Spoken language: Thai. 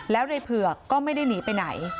แล้วในเผือกก็ไม่ได้หนีไปไหน